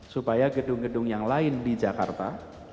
supaya gedung gedung yang lain di jakarta